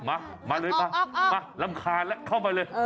มามาเลยลำคาญแล้วเข้าไปเลย